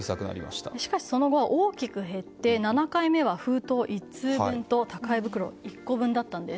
しかしその後、大きく減って７回目は封筒１通分と宅配袋１個分だったんです。